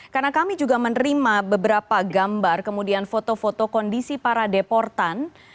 karena kami juga menerima beberapa gambar kemudian foto foto kondisi para deportan